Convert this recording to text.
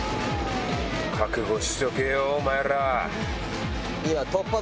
覚悟しとけよおまえら！